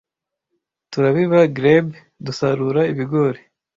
Turabiba glebe, dusarura ibigori,